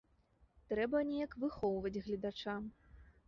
Трэба неяк выхоўваць гледача.